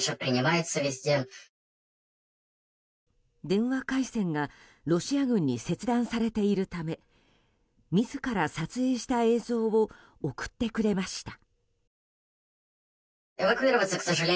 電話回線がロシア軍に切断されているため自ら撮影した映像を送ってくれました。